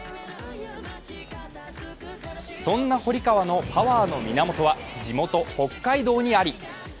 そんな堀川のパワーの源は、地元・北海道にあり。